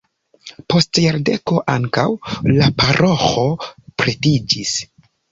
Post jardeko ankaŭ la paroĥo pretiĝis.